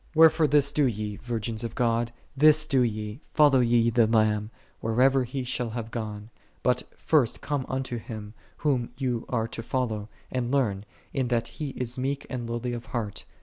53. Wherefore this do ye, virgins of God, this do ye: follow ye the Lamb, whithersoever He shall have gone. But first come unto Him, Whom ye are to follow, and learn, in that He is meek and lowly of heart.